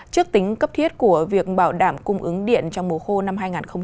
trước tính cấp thiết của việc bảo đảm cung ứng điện trong mùa khô năm hai nghìn hai mươi bốn